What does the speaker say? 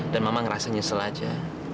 dan mama ngerasa nyesel aja